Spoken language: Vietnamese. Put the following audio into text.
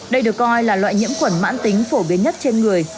đây được coi là loại nhiễm khuẩn mãn tính phổ biến nhất trên người